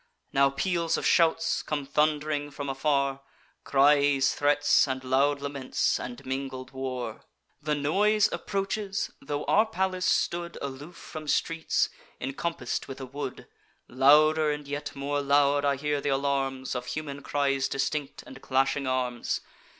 "Now peals of shouts come thund'ring from afar, Cries, threats, and loud laments, and mingled war: The noise approaches, tho' our palace stood Aloof from streets, encompass'd with a wood. Louder, and yet more loud, I hear th' alarms Of human cries distinct, and clashing arms.